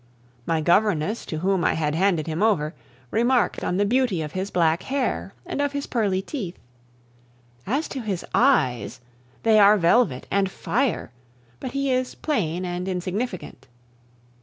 My governess, to whom I had handed him over, remarked on the beauty of his black hair and of his pearly teeth. As to his eyes, they are velvet and fire; but he is plain and insignificant.